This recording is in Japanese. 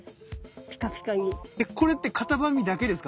これってカタバミだけですか？